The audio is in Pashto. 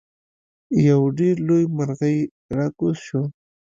یو ډیر لوی مرغۍ راکوز شو.